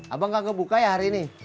abang kagak buka ya hari ini